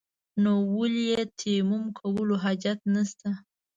نو ولې يې تيمم کولو حاجت نشته.